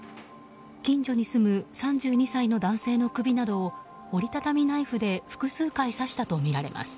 近所に住む３２歳の男性の首などを折り畳みナイフで複数回、刺したとみられます。